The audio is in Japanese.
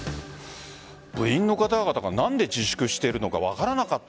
部員の方々が何で自粛しているのか分からなかった